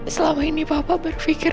selama ini papa berpikir